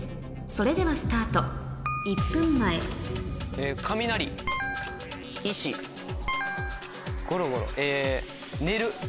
それではスタート１分前ゴロゴロえ。